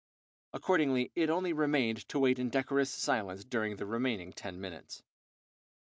Accordingly, it only remained to wait in decorous silence during the remaining ten minutes.